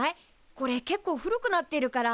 これけっこう古くなってるから。